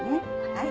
はい。